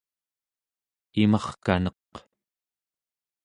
imarkaneq